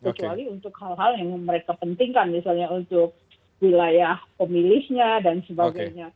kecuali untuk hal hal yang mereka pentingkan misalnya untuk wilayah pemilihnya dan sebagainya